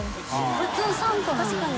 普通３個なの。